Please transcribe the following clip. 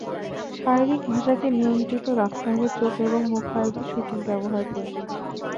শারীরিক ভাষাকে নিয়ন্ত্রিত রাখতে হবে চোখ এবং মুখাবয়বের সঠিক ব্যবহার প্রয়োজন।